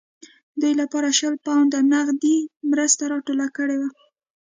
دوی لپاره شل پونډه نغدي مرسته راټوله کړې وه.